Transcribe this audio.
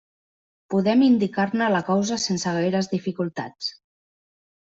Podem indicar-ne la causa sense gaires dificultats.